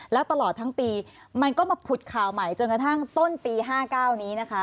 แล้วตลอดทั้งปีมันก็มาผุดข่าวใหม่จนกระทั่งต้นปี๕๙นี้นะคะ